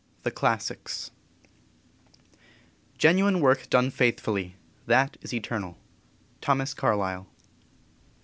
THE CLASSICS. "Genuine work done faithfully, that is eternal." _Thomas Carlyle.